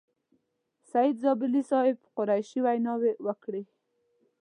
سعید زابلي صاحب، قریشي ویناوې وکړې.